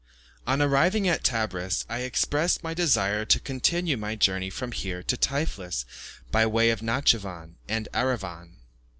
On arriving at Tebris, I expressed my desire to continue my journey from here to Tiflis by way of Natschivan and Erivan.